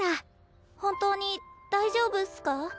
本当に大丈夫っすか？